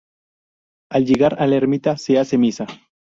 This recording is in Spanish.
Al llegar a la ermita se hace misa.